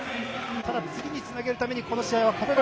ただ次につなげるためにここは。